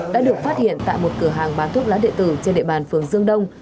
đã được phát hiện tại một cửa hàng bán thuốc lá địa tử trên địa bàn phường dương đông